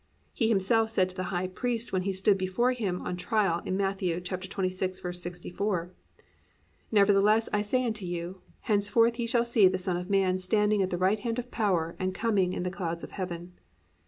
He Himself said to the High Priest when He stood before him on trial, in Matt. 26:64, +"Nevertheless I say unto you, henceforth ye shall see the son of man standing at the right hand of power and coming in the clouds of heaven."